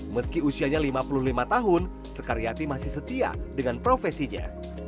meski usianya lima puluh lima tahun sekaryati masih setia dengan profesinya